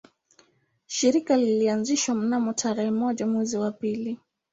Shirika lilianzishwa mnamo tarehe moja mwezi wa pili